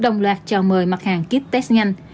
đồng loạt chào mời mặt hàng ký xét nghiệm nhanh